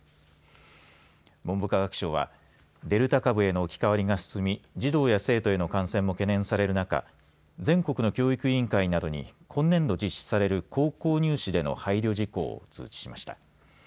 文部科学省はデルタ株への置き換わりが進み児童や生徒への感染も懸念される中全国の教育委員会などに今年度実施される高校入試での配慮事項を通知しました。